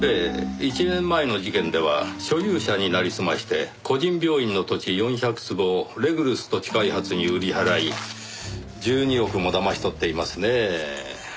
１年前の事件では所有者になりすまして個人病院の土地４００坪をレグルス土地開発に売り払い１２億もだまし取っていますねぇ。